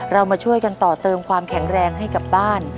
เรามาช่วยกันต่อเติมความแข็งแรงให้กับบ้าน